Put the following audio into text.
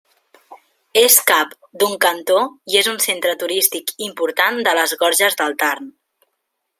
És cap d'un cantó i és un centre turístic important de les Gorges del Tarn.